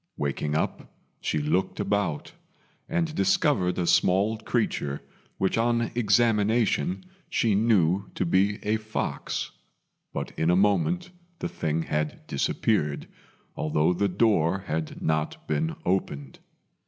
Waking up, she looked about, and discovered a small creature which on examination she knew to be a fox; but in a moment the thing had disappeared, although the door had not been opened.